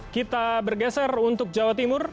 kita bergeser untuk jawa timur